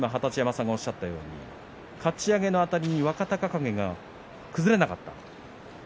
二十山さんのおっしゃったように立ち合いのあたりに若隆景が崩れませんでした。